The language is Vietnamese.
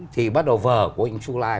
thì bắt đầu vở của anh chu lai